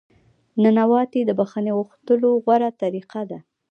نانواتې د بخښنې غوښتلو غوره طریقه ده.